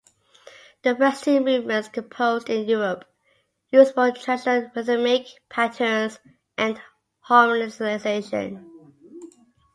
The first two movements, composed in Europe, use more traditional rhythmic patterns and harmonizations.